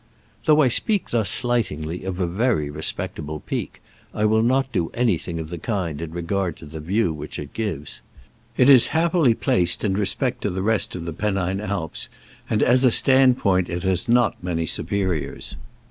Though I speak thus slightingly of a very respectable peak, I will not do any thing of the kind in regard to the view which it gives. It is happily placed in respect to the rest of the Pennine Alps, and as a stand point it has not many superiors.